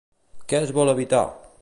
Què es vol evitar?